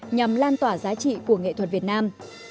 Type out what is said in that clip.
nhằm lan tỏa giá trị của nghệ thuật việt nam